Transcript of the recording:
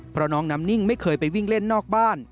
เพราะน้องน้ำนิ่งไม่เคยไปวิ่งเล่นนอกบ้าน